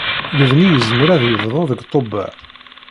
Lebni yezmer ad yebdu deg Tubeṛ.